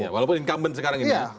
walaupun incumbent sekarang ini